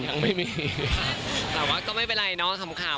ละเค้านะว่าก็ไม่เป็นไรนะคำคาว